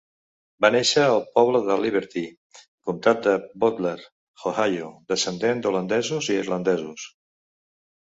Va nàixer al poble de Liberty, comtat de Butler, Ohio, descendent d'holandesos i irlandesos.